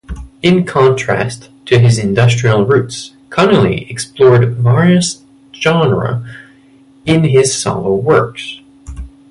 In contrast to his industrial roots, Connelly explored various genres in his solo works.